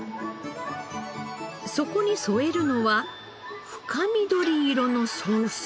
そこに添えるのは深緑色のソース。